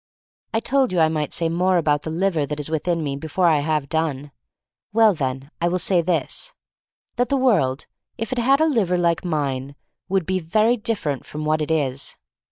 I told you I might say more about the liver that is within me before I have done. Well, then, I will say this: that the world, if it had a liver like mine, would be very different from what it is.